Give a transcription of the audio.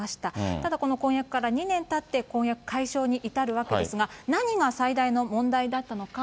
ただこの婚約から２年たって、婚約解消に至るわけですが、何が最大の問題だったのか。